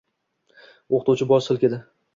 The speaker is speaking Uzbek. O‘qituvchi bosh silkidi.